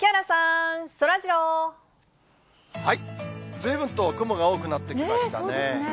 ずいぶんと雲が多くなってきましたね。